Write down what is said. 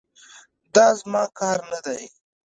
دا زما کار نه دی.